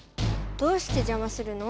どうしてじゃまするの？